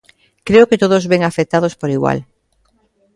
Creo que todos ven afectados por igual.